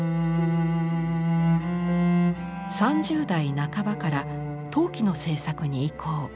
３０代半ばから陶器の制作に移行。